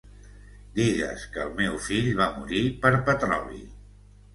Digues que el meu fill va morir per petroli.